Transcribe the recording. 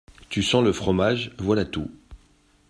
Tu sens le fromage, voilà tout !